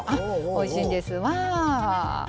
おいしいんですわぁ。